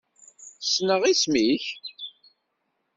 Ssneɣ isem-ik.